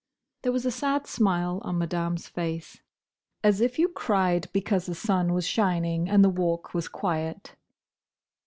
There was a sad smile on Madame's face. As if you cried because the sun was shining and the Walk was quiet!